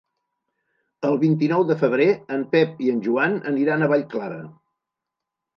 El vint-i-nou de febrer en Pep i en Joan aniran a Vallclara.